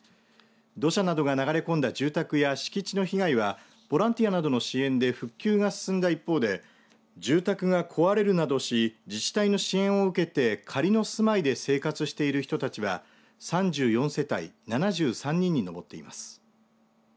土砂などが流れ込んだ住宅や敷地の被害はボランティアなどの支援で復旧が進んだ一方で住宅が壊れるなどして自治体の支援を受けて仮の住まいで生活している人たちは３４世帯７３人に上っています。